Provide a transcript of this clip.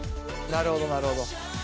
なるほどなるほど。